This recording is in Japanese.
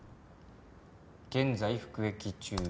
「現在服役中」